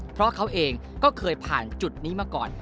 เพราะเขาเองก็เคยผ่านจุดนี้มาก่อน